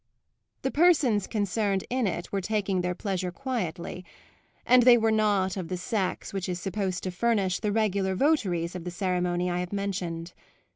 The persons concerned in it were taking their pleasure quietly, and they were not of the sex which is supposed to furnish the regular votaries of the ceremony I have mentioned.